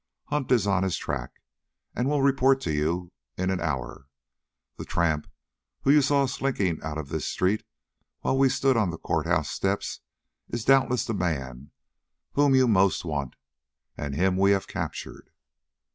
Hunt is on his track, and will report to you in an hour. The tramp whom you saw slinking out of this street while we stood on the court house steps is doubtless the man whom you most want, and him we have captured."